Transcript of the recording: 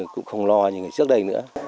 cũng không lo như ngày trước đây nữa